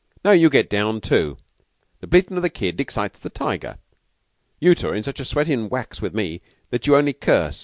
Now you get down, too. 'The bleatin' of the kid excites the tiger.' You two are in such a sweatin' wax with me that you only curse.